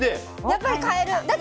やっぱり変える。